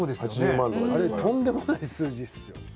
あれとんでもない数字っすよ。